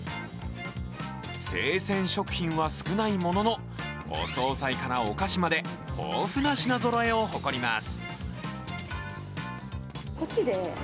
生鮮食品は少ないものの、お総菜からお菓子まで豊富な品ぞろえを誇ります。